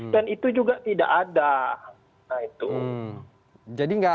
dan itu juga tidak ada